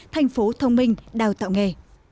thành phố thông minh đào tạo nghề